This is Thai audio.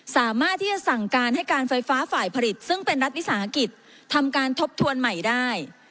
สามารถที่จะสั่งการให้การไฟฟ้าฝ่ายผลิตซึ่งเป็นรัฐวิสาหกิจทำการทบทวนใหม่ได้